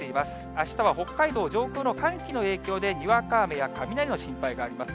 あしたは北海道、上空の寒気の影響でにわか雨や雷の心配があります。